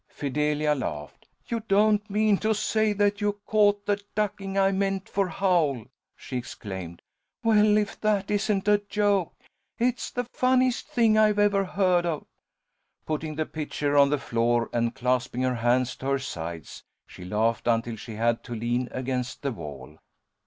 Fidelia laughed. "You don't mean to say that you caught the ducking I meant for Howl!" she exclaimed. "Well, if that isn't a joke! It's the funniest thing I ever heard of!" Putting the pitcher on the floor and clasping her hands to her sides, she laughed until she had to lean against the wall.